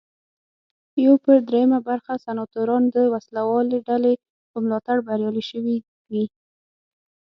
یو پر درېیمه برخه سناتوران د وسله والې ډلې په ملاتړ بریالي شوي وي.